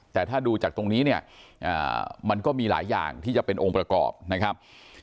แต่ถ้าดูจากตรงนี้เนี่ยมันก็มีหลายอย่างที่จะเป็นองค์ประกอบนะครับ